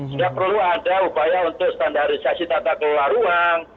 sudah perlu ada upaya untuk standarisasi tata kelola ruang